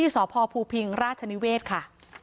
สพภูพิงราชนิเวศค่ะ